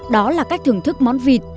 đó là cách thưởng thức món vịt